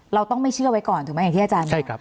เราต้องไม่เชื่อไว้ก่อนถูกไหมอย่างที่อาจารย์ใช่ครับ